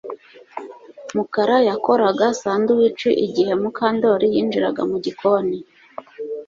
Mukara yakoraga sandwich igihe Mukandoli yinjiraga mu gikoni